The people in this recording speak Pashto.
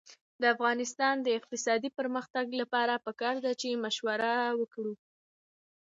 د افغانستان د اقتصادي پرمختګ لپاره پکار ده چې مشوره وکړو.